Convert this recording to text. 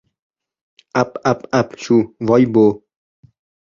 — Ap-ap-ap-shu! Voy-bo‘!